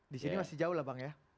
di sini masih jauh lah bang ya